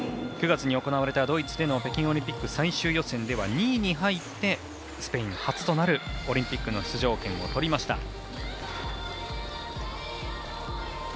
９月に行われたドイツでの北京オリンピック最終予選では２位に入ってスペイン初となるオリンピックの出場権をとりました。